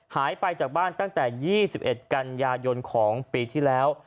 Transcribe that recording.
หายไปจากบ้านตั้งแต่๒๑กันยายนของปีที่แล้ว